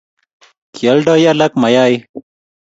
Kioldoi alak mayaik